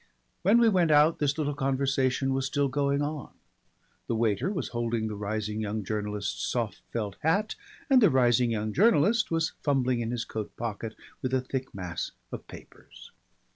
When we went out this little conversation was still going on. The waiter was holding the rising young journalist's soft felt hat and the rising young journalist was fumbling in his coat pocket with a thick mass of papers.